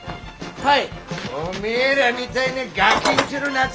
はい！